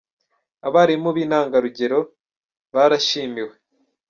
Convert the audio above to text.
Abarimu b’intangarugero barabishimiwe